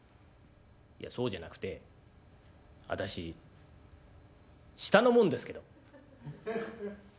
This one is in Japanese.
「いやそうじゃなくて私下の者ですけど」。